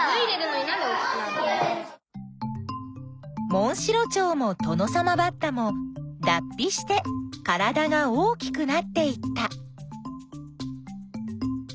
モンシロチョウもトノサマバッタもだっ皮して体が大きくなっていった。